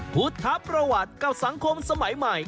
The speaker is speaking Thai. พุทธประวัติกับสังคมสมัยใหม่